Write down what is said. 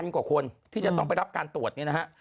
กว่าคนที่จะต้องไปรับการตรวจเนี่ยนะฮะ